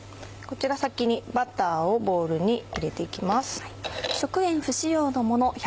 こちら先にバターをボウルに入れて行きます。